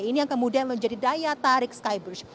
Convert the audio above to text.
ini yang kemudian menjadi daya tarik skybridge